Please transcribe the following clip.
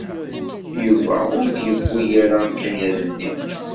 Yuba ur d-yewwi ara akayad-nni.